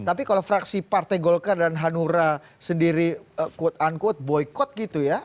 tapi kalau fraksi partai golkar dan hanura sendiri quote unquote boykot gitu ya